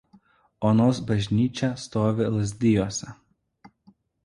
Onos bažnyčia stovi Lazdijuose.